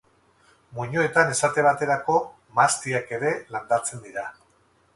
Muinoetan esate baterako mahastiak ere landatzen dira.